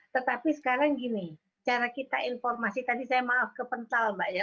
tetapi sekarang gini cara kita informasi tadi saya maaf kepental mbak ya